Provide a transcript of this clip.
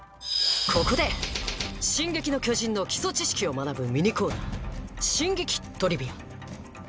ここで「進撃の巨人」の基礎知識を学ぶミニコーナー「進撃トリビア」。